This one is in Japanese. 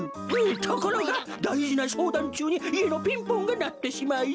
「ところがだいじなしょうだんちゅうにいえのピンポンがなってしまい」。